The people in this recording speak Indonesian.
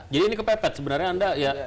jadi ini kepepet sebenarnya anda